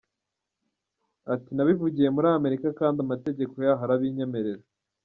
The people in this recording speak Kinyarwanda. Ati “Nabivugiye muri Amerika kandi amategeko yaho arabinyemerera.